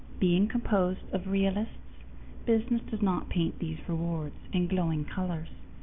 Being composed of realists, business does not paint these rewards in glowing colors.